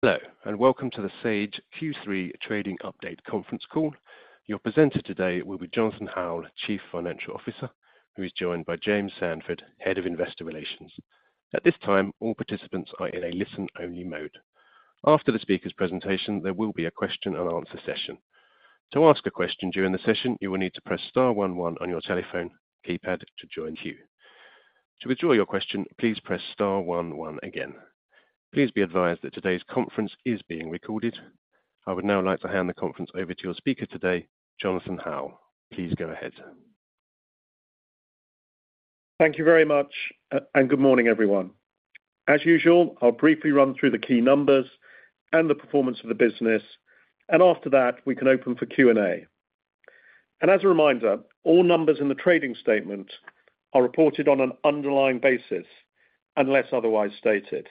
Hello, and welcome to the Sage Q3 Trading Update conference call. Your presenter today will be Jonathan Howell, Chief Financial Officer, who is joined by James Sandford, Head of Investor Relations. At this time, all participants are in a listen-only mode. After the speaker's presentation, there will be a question and answer session. To ask a question during the session, you will need to press star one one on your telephone keypad to join the queue. To withdraw your question, please press star one one again. Please be advised that today's conference is being recorded. I would now like to hand the conference over to your speaker today, Jonathan Howell. Please go ahead. Thank you very much, good morning, everyone. As usual, I'll briefly run through the key numbers and the performance of the business, and after that, we can open for Q&A. As a reminder, all numbers in the trading statement are reported on an underlying basis unless otherwise stated.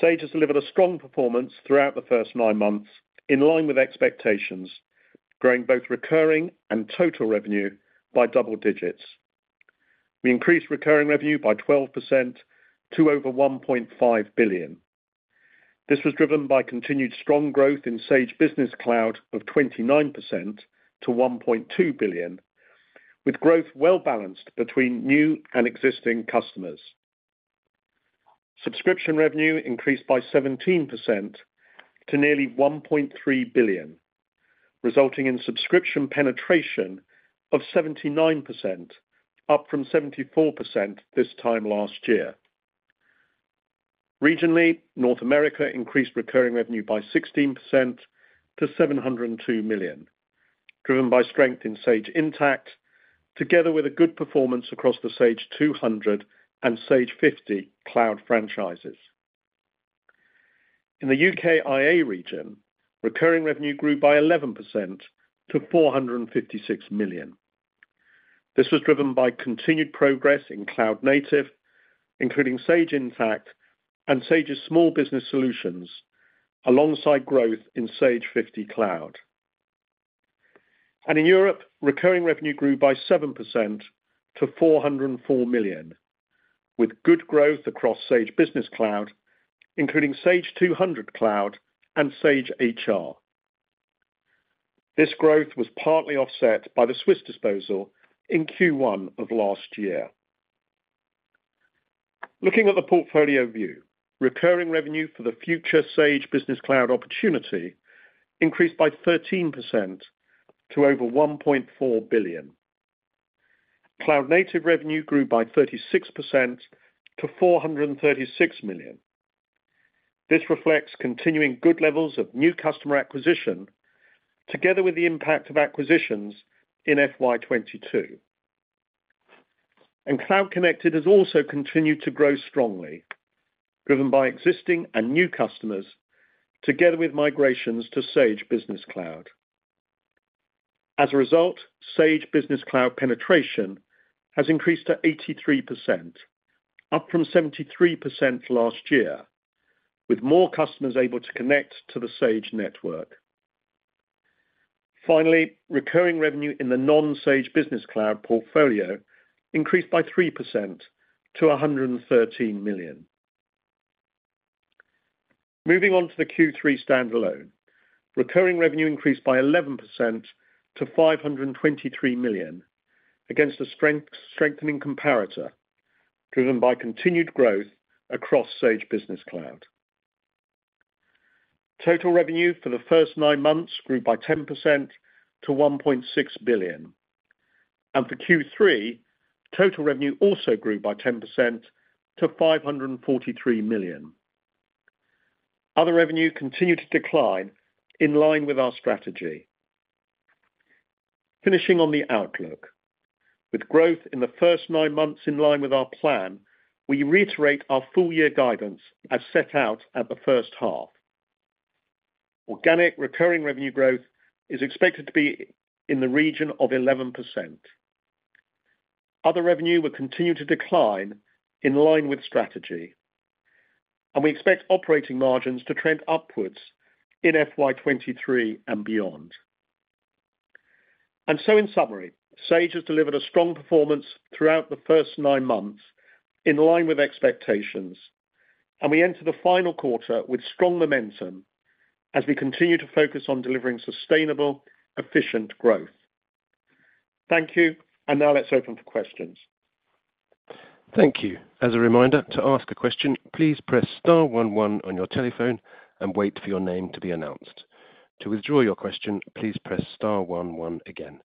Sage has delivered a strong performance throughout the first nine months, in line with expectations, growing both recurring and total revenue by double digits. We increased recurring revenue by 12% to over 1.5 billion. This was driven by continued strong growth in Sage Business Cloud of 29% to 1.2 billion, with growth well-balanced between new and existing customers. Subscription revenue increased by 17% to nearly 1.3 billion, resulting in subscription penetration of 79%, up from 74% this time last year. Regionally, North America increased recurring revenue by 16% to 702 million, driven by strength in Sage Intacct, together with a good performance across the Sage 200 and Sage 50cloud franchises. In the UKIA region, recurring revenue grew by 11% to 456 million. This was driven by continued progress in cloud native, including Sage Intacct and Sage's small business solutions, alongside growth in Sage 50cloud. In Europe, recurring revenue grew by 7% to 404 million, with good growth across Sage Business Cloud, including Sage 200cloud and Sage HR. This growth was partly offset by the Swiss disposal in Q1 of last year. Looking at the portfolio view, recurring revenue for the future Sage Business Cloud opportunity increased by 13% to over 1.4 billion. Cloud native revenue grew by 36% to 436 million. This reflects continuing good levels of new customer acquisition, together with the impact of acquisitions in FY22. Cloud Connected has also continued to grow strongly, driven by existing and new customers, together with migrations to Sage Business Cloud. As a result, Sage Business Cloud penetration has increased to 83%, up from 73% last year, with more customers able to connect to the Sage Network. Finally, recurring revenue in the non-Sage Business Cloud portfolio increased by 3% to 113 million. Moving on to the Q3 standalone, recurring revenue increased by 11% to 523 million, against a strengthening comparator, driven by continued growth across Sage Business Cloud. Total revenue for the first nine months grew by 10% to 1.6 billion. For Q3, total revenue also grew by 10% to 543 million. Other revenue continued to decline in line with our strategy. Finishing on the outlook, with growth in the first nine months in line with our plan, we reiterate our full year guidance as set out at the first half. Organic recurring revenue growth is expected to be in the region of 11%. Other revenue will continue to decline in line with strategy. We expect operating margins to trend upwards in FY23 and beyond. In summary, Sage has delivered a strong performance throughout the first nine months in line with expectations. We enter the final quarter with strong momentum as we continue to focus on delivering sustainable, efficient growth. Thank you. Now let's open for questions. Thank you. As a reminder, to ask a question, please press star one one on your telephone and wait for your name to be announced. To withdraw your question, please press star 11 again.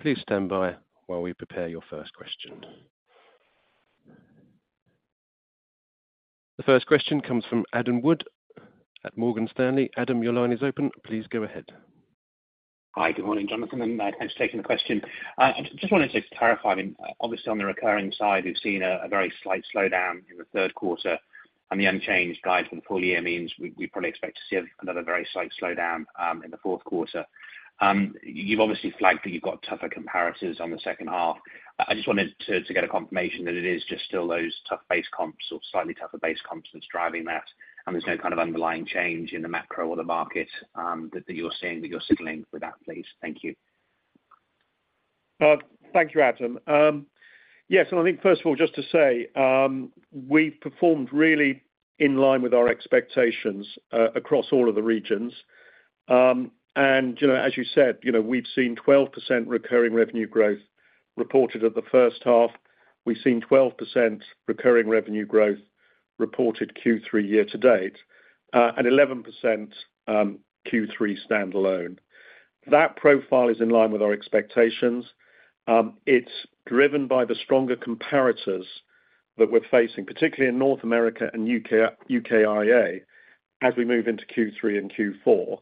Please stand by while we prepare your first question. The first question comes from Adam Wood at Morgan Stanley. Adam, your line is open. Please go ahead. Hi, good morning, Jonathan. Thanks for taking the question. I just wanted to clarify, I mean, obviously on the recurring side, we've seen a very slight slowdown in the third quarter, and the unchanged guide for the full year means we probably expect to see another very slight slowdown in the fourth quarter. You've obviously flagged that you've got tougher comparisons on the second half. I just wanted to get a confirmation that it is just still those tough base comps or slightly tougher base comps that's driving that, and there's no kind of underlying change in the macro or the market that you're seeing, that you're signaling with that, please. Thank you. Thank you, Adam. Yes, I think first of all, just to say, we performed really in line with our expectations across all of the regions. You know, as you said, you know, we've seen 12% recurring revenue growth reported at the first half. We've seen 12% recurring revenue growth reported Q3 year to date, and 11% Q3 standalone. That profile is in line with our expectations. It's driven by the stronger comparators that we're facing, particularly in North America and UKIA, as we move into Q3 and Q4,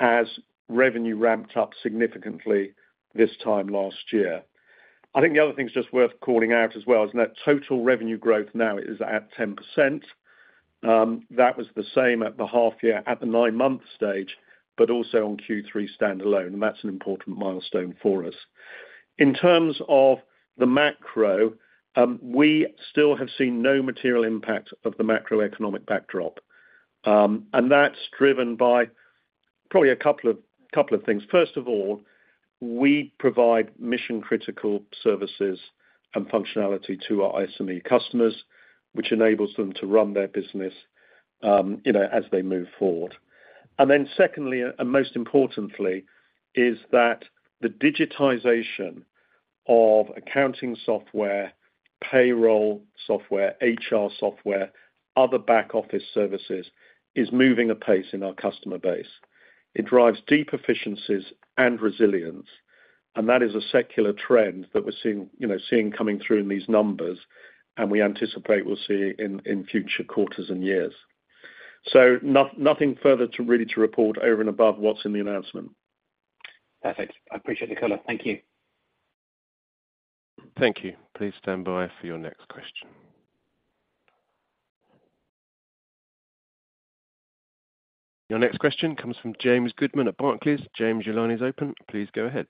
as revenue ramped up significantly this time last year. The other thing that's just worth calling out as well, is net total revenue growth now is at 10%. That was the same at the half year at the nine-month stage, but also on Q3 standalone, and that's an important milestone for us. In terms of the macro, we still have seen no material impact of the macroeconomic backdrop, and that's driven by probably a couple of things. First of all, we provide mission-critical services and functionality to our SME customers, which enables them to run their business, you know, as they move forward. Secondly, and most importantly, is that the digitization of accounting software, payroll software, HR software, other back office services, is moving apace in our customer base. It drives deep efficiencies and resilience, and that is a secular trend that we're seeing, you know, coming through in these numbers, and we anticipate we'll see in future quarters and years. Nothing further to really report over and above what's in the announcement. Perfect. I appreciate the color. Thank you. Thank you. Please stand by for your next question. Your next question comes from James Goodman at Barclays. James, your line is open. Please go ahead.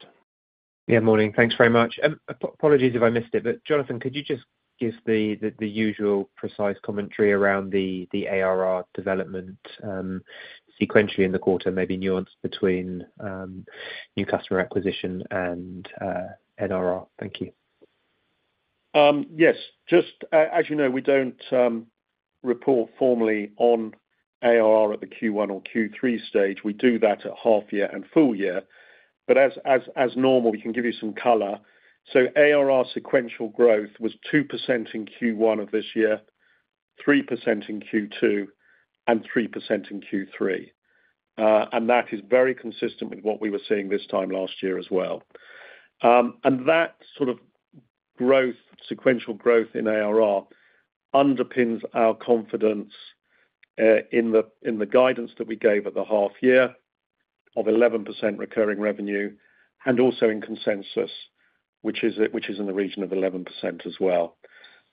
Yeah, morning. Thanks very much. apologies if I missed it, but Jonathan, could you just give the, the usual precise commentary around the ARR development, sequentially in the quarter, maybe nuance between, new customer acquisition and, NRR? Thank you. Yes, just, as you know, we don't report formally on ARR at the Q1 or Q3 stage. We do that at half year and full year, but as normal, we can give you some color. ARR sequential growth was 2% in Q1 of this year, 3% in Q2, and 3% in Q3. That is very consistent with what we were seeing this time last year as well. That sort of growth, sequential growth in ARR, underpins our confidence in the guidance that we gave at the half year of 11% recurring revenue, and also in consensus, which is, which is in the region of 11% as well.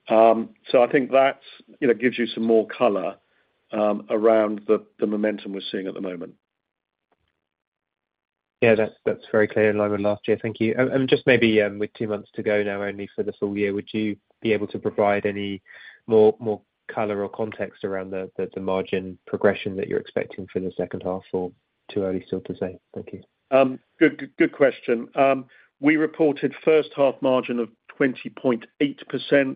I think that, you know, gives you some more color around the momentum we're seeing at the moment. Yeah, that's very clear in line with last year. Thank you. Just maybe, with two months to go now only for the full year, would you be able to provide any more color or context around the margin progression that you're expecting for the second half or too early still to say? Thank you. Good question. We reported first half margin of 20.8%.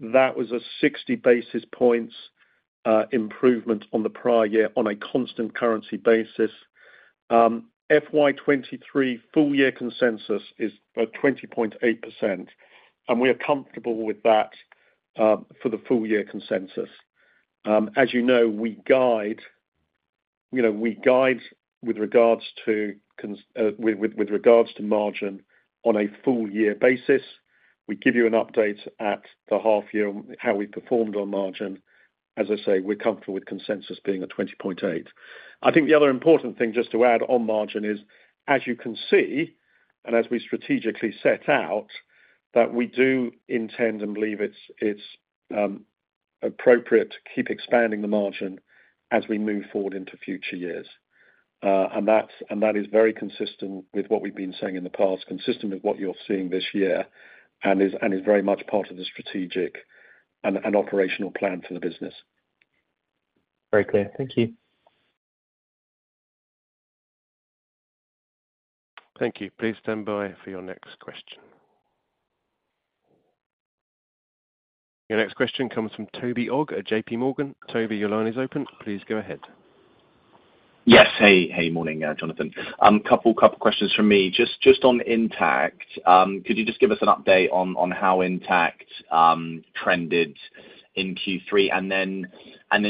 That was a 60 basis points improvement on the prior year on a constant currency basis. FY23 full year consensus is about 20.8%. We are comfortable with that for the full year consensus. As you know, we guide with regards to margin on a full year basis. We give you an update at the half year on how we performed on margin. As I say, we're comfortable with consensus being at 20.8%. I think the other important thing just to add on margin is, as you can see, and as we strategically set out, that we do intend and believe it's appropriate to keep expanding the margin as we move forward into future years. That is very consistent with what we've been saying in the past, consistent with what you're seeing this year, and is very much part of the strategic and operational plan for the business. Very clear. Thank you. Thank you. Please stand by for your next question. Your next question comes from Toby Ogg at J.P. Morgan. Toby, your line is open. Please go ahead. Yes. Hey, hey, morning, Jonathan. Couple questions from me. Just on Intacct. Could you just give us an update on how Intacct trended in Q3?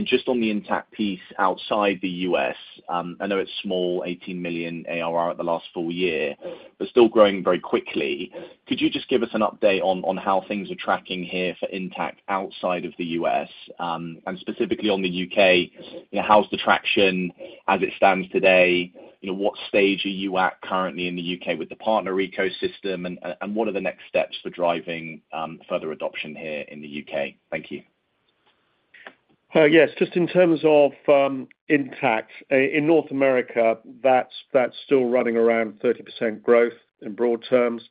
Just on the Intacct piece outside the U.S., I know it's small, 18 million ARR at the last full year, but still growing very quickly. Could you just give us an update on how things are tracking here for Intacct outside of the U.S., and specifically on the U.K.? You know, how's the traction as it stands today? You know, what stage are you at currently in the U.K. with the partner ecosystem, and what are the next steps for driving further adoption here in the U.K.? Thank you. Just in terms of Intacct in North America, that's still running around 30% growth in broad terms.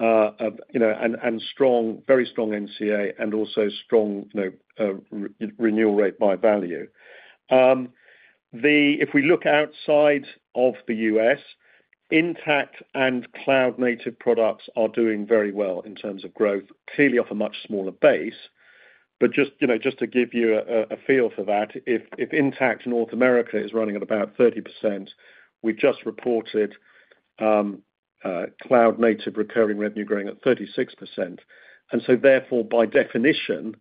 You know, and strong, very strong NCA and also strong, you know, renewal rate by value. If we look outside of the US, Intacct and cloud native products are doing very well in terms of growth, clearly off a much smaller base. Just, you know, just to give you a feel for that, if Intacct North America is running at about 30%, we just reported cloud native recurring revenue growing at 36%. Therefore, by definition,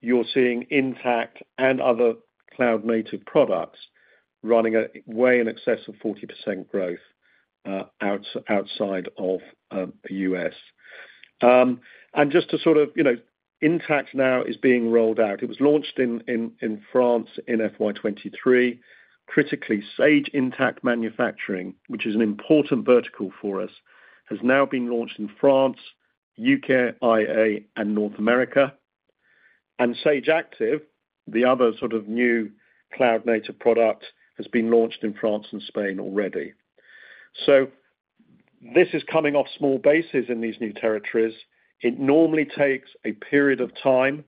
you're seeing Intacct and other cloud native products running at way in excess of 40% growth outside of the US. And just to sort of, you know, Intacct now is being rolled out. It was launched in, in France in FY23. Critically, Sage Intacct Manufacturing, which is an important vertical for us, has now been launched in France, UKIA, and North America. Sage Active, the other sort of new cloud native product, has been launched in France and Spain already. This is coming off small bases in these new territories. It normally takes a period of time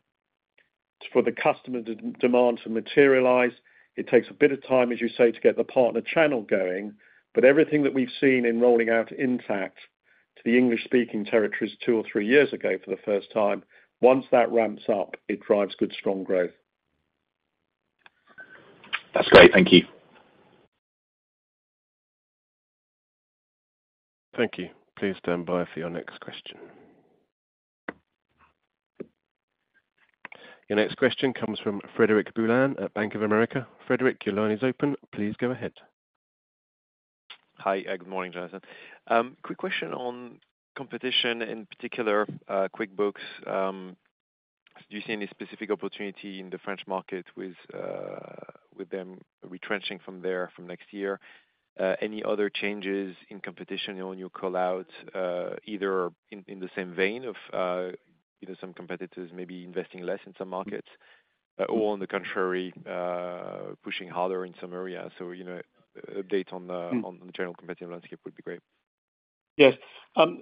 for the customer demand to materialize. It takes a bit of time, as you say, to get the partner channel going, but everything that we've seen in rolling out Intacct to the English-speaking territories two or three years ago for the first time, once that ramps up, it drives good, strong growth. That's great. Thank you. Thank you. Please stand by for your next question. Your next question comes from Frederic Boulan at Bank of America. Frederic, your line is open. Please go ahead. Hi. Good morning, Jonathan. Quick question on competition in particular, QuickBooks. Do you see any specific opportunity in the French market with them retrenching from there from next year? Any other changes in competition on your call-out, either in the same vein of, you know, some competitors maybe investing less in some markets, or on the contrary, pushing harder in some areas? You know, update on the- Mm... on the general competitive landscape would be great. Yes.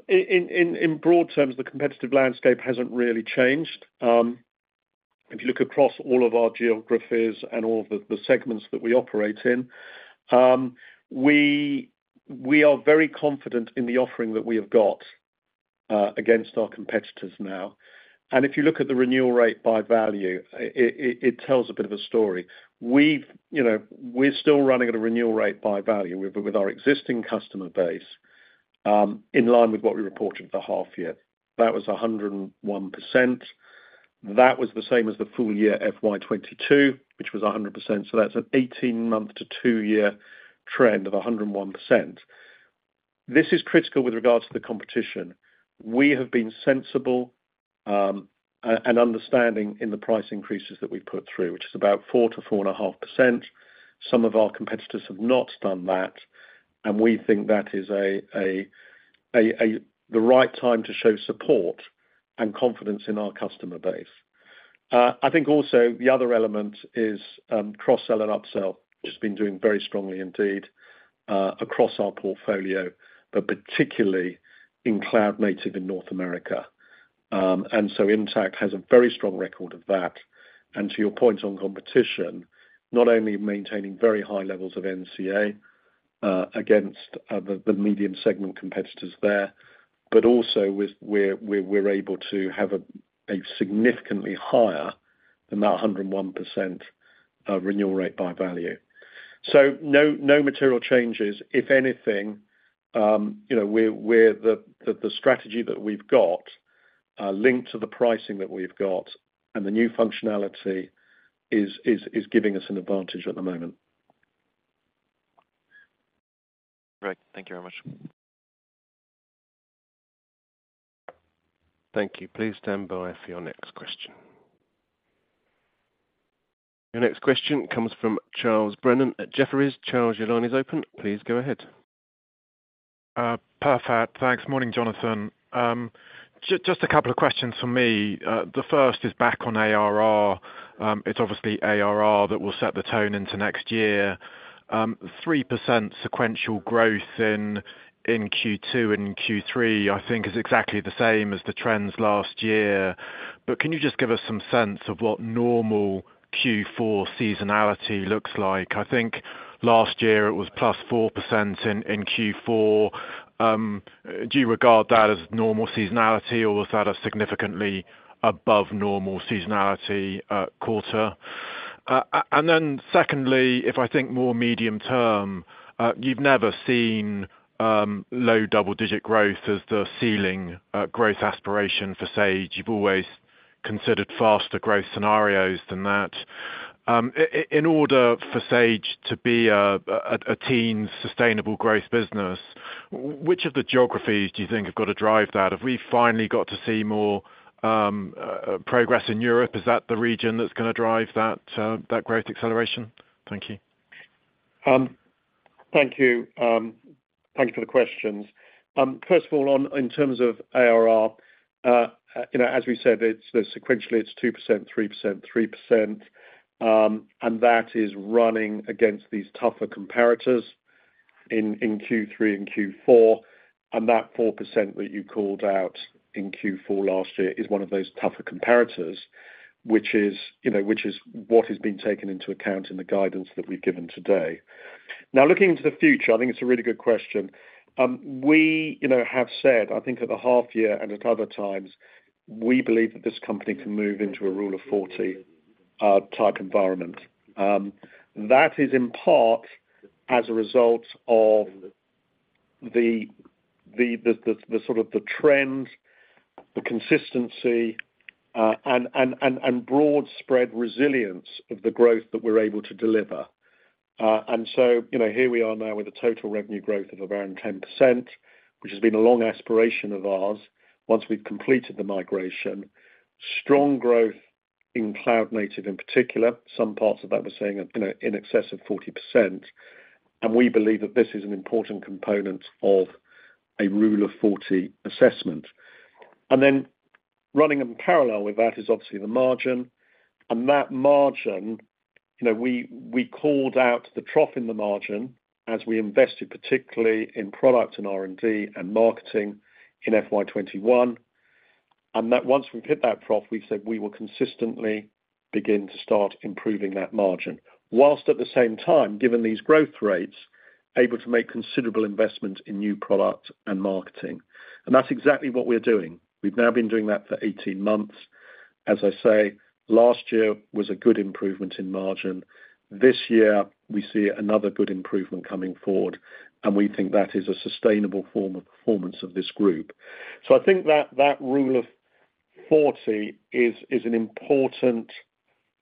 In broad terms, the competitive landscape hasn't really changed. If you look across all of our geographies and all of the segments that we operate in, we are very confident in the offering that we have got against our competitors now. If you look at the renewal rate by value, it tells a bit of a story. You know, we're still running at a renewal rate by value with our existing customer base, in line with what we reported for half year. That was 101%. That was the same as the full year FY22, which was 100%. So that's an 18-month to two-year trend of 101%. This is critical with regards to the competition. We have been sensible, and understanding in the price increases that we've put through, which is about 4-4.5%. Some of our competitors have not done that, and we think that is the right time to show support and confidence in our customer base. I think also the other element is cross-sell and upsell, which has been doing very strongly indeed, across our portfolio, but particularly in cloud native in North America. Intacct has a very strong record of that. To your point on competition, not only maintaining very high levels of NCA against the medium segment competitors there, but also with where we're able to have a significantly higher than that 101% renewal rate by value. No, no material changes. If anything, you know, we're the strategy that we've got, linked to the pricing that we've got and the new functionality is giving us an advantage at the moment. Great. Thank you very much. Thank you. Please stand by for your next question. Your next question comes from Charlie Brennan at Jefferies. Charles, your line is open. Please go ahead. Perfect. Thanks. Morning, Jonathan. Just a couple of questions from me. The first is back on ARR. It's obviously ARR that will set the tone into next year. 3% sequential growth in Q2 and Q3, I think is exactly the same as the trends last year. Can you just give us some sense of what normal Q4 seasonality looks like? I think last year it was +4% in Q4. Do you regard that as normal seasonality, or was that a significantly above normal seasonality quarter? Secondly, if I think more medium term, you've never seen low double digit growth as the ceiling growth aspiration for Sage. You've always considered faster growth scenarios than that. In order for Sage to be a sustainable growth business, which of the geographies do you think have got to drive that? Have we finally got to see more progress in Europe? Is that the region that's going to drive that growth acceleration? Thank you. Thank you. Thank you for the questions. First of all, in terms of ARR, you know, as we said, it's, sequentially, it's 2%, 3%, 3%, and that is running against these tougher comparators in Q3 and Q4. That 4% that you called out in Q4 last year is one of those tougher comparators, which is, you know, what has been taken into account in the guidance that we've given today. Looking into the future, I think it's a really good question. We, you know, have said, I think at the half year and at other times, we believe that this company can move into a Rule of 40 type environment. That is in part as a result of the sort of the trend, the consistency, broad spread resilience of the growth that we're able to deliver. You know, here we are now with a total revenue growth of around 10%, which has been a long aspiration of ours, once we've completed the migration. Strong growth in cloud native, in particular, some parts of that we're saying are, you know, in excess of 40%, and we believe that this is an important component of a Rule of 40 assessment. Running in parallel with that is obviously the margin, and that margin, you know, we called out the trough in the margin as we invested, particularly in product and R&D and marketing in FY21. Once we've hit that trough, we've said we will consistently begin to start improving that margin, while at the same time, given these growth rates, able to make considerable investments in new product and marketing. That's exactly what we're doing. We've now been doing that for 18 months. As I say, last year was a good improvement in margin. This year, we see another good improvement coming forward, and we think that is a sustainable form of performance of this group. I think that that Rule of 40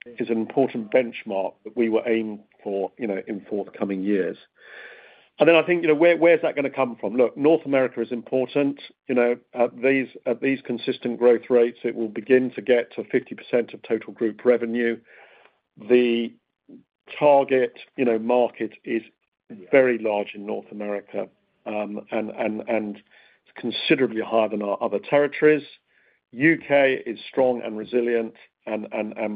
is an important benchmark that we will aim for, you know, in forthcoming years. I think, you know, where's that gonna come from? Look, North America is important. You know, at these consistent growth rates, it will begin to get to 50% of total group revenue. The target, you know, market is very large in North America, and considerably higher than our other territories. UK is strong and resilient, and,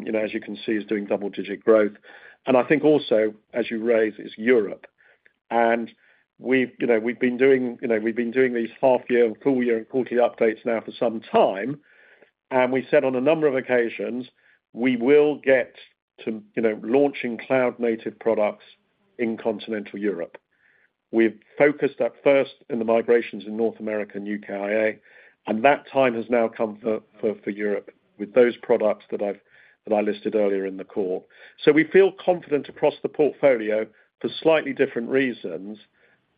you know, as you can see, is doing double digit growth. I think also, as you raise, is Europe. We've, you know, we've been doing, you know, we've been doing these half year and full year and quarterly updates now for some time, and we said on a number of occasions, we will get to, you know, launching cloud native products in continental Europe. We've focused at first in the migrations in North America and UKIA, and that time has now come for Europe with those products that I listed earlier in the call. We feel confident across the portfolio for slightly different reasons,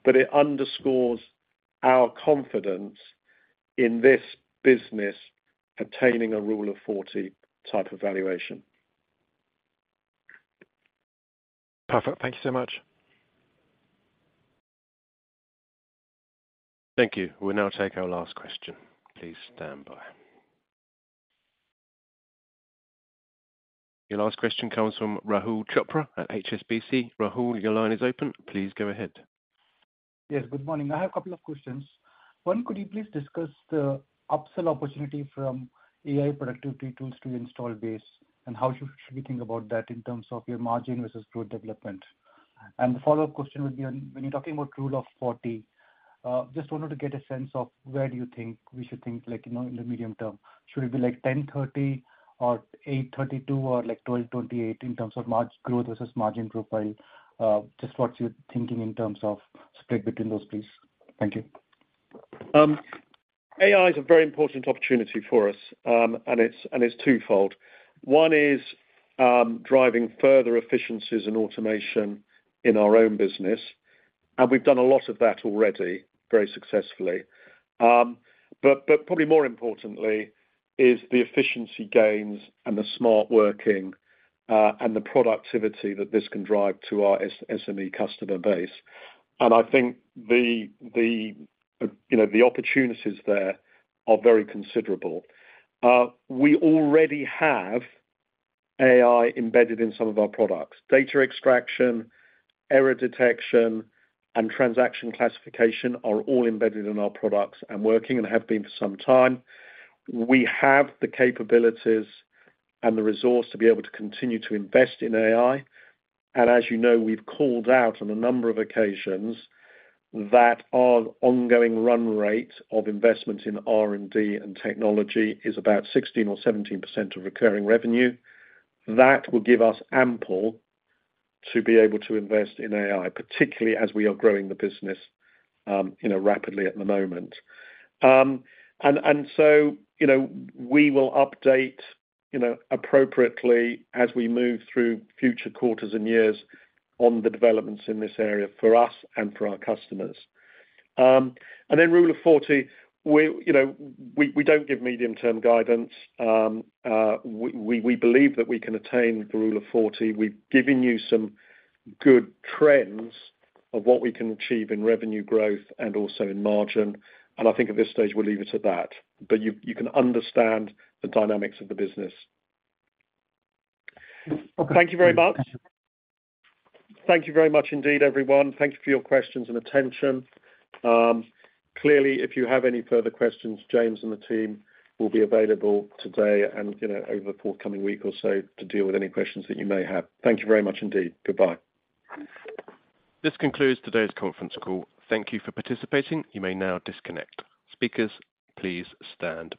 but it underscores our confidence in this business obtaining a Rule of 40 type of valuation. Perfect. Thank you so much. Thank you. We'll now take our last question. Please stand by. Your last question comes from Rahul Chopra at HSBC. Rahul, your line is open. Please go ahead. Yes, good morning. I have a couple of questions. One, could you please discuss the upsell opportunity from AI productivity tools to the install base, and how should we think about that in terms of your margin versus growth development? The follow-up question would be, when you're talking about Rule of 40, just wanted to get a sense of where do you think we should think, like, you know, in the medium term, should it be like 10% 30% or 8% 32% or like 12% 28% in terms of margin growth versus margin profile? Just what you're thinking in terms of spread between those, please. Thank you. AI is a very important opportunity for us, and it's twofold. One is driving further efficiencies and automation in our own business. We've done a lot of that already, very successfully. But probably more importantly is the efficiency gains and the smart working and the productivity that this can drive to our SME customer base. I think the, you know, the opportunities there are very considerable. We already have AI embedded in some of our products. Data extraction, error detection, and transaction classification are all embedded in our products and working and have been for some time. We have the capabilities and the resource to be able to continue to invest in AI, and as you know, we've called out on a number of occasions that our ongoing run rate of investment in R&D and technology is about 16% or 17% of recurring revenue. That will give us ample to be able to invest in AI, particularly as we are growing the business, you know, rapidly at the moment. So, you know, we will update, you know, appropriately as we move through future quarters and years on the developments in this area for us and for our customers. Then Rule of 40, we, you know, we don't give medium-term guidance. We, we believe that we can attain the Rule of 40. We've given you some good trends of what we can achieve in revenue growth and also in margin. I think at this stage, we'll leave it to that. You can understand the dynamics of the business. Okay. Thank you very much. Thank you very much indeed, everyone. Thank you for your questions and attention. Clearly, if you have any further questions, James and the team will be available today and, you know, over the forthcoming week or so, to deal with any questions that you may have. Thank you very much indeed. Goodbye. This concludes today's conference call. Thank you for participating. You may now disconnect. Speakers, please stand by.